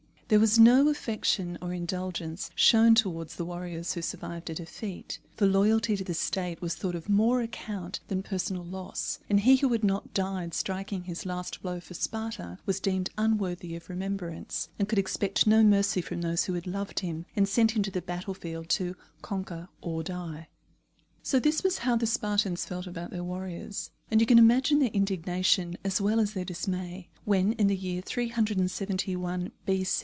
There was no affection or indulgence shown towards the warriors who survived a defeat; for loyalty to the State was thought of more account than personal loss, and he who had not died striking his last blow for Sparta, was deemed unworthy of remembrance, and could expect no mercy from those who had loved him and sent him to the battlefield "to conquer or die." So this was how the Spartans felt about their warriors; and you can imagine their indignation as well as their dismay when, in the year 371 B.